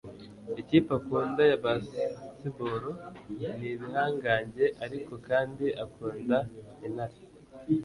ikipe akunda ya baseball ni ibihangange, ariko kandi akunda intare